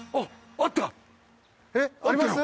あったよ。